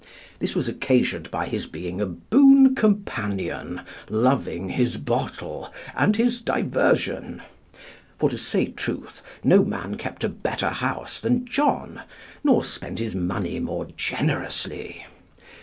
This was occasioned by his being a boon companion, loving his bottle and his diversion; for, to say truth, no man kept a better house than John, nor spent his money more generously.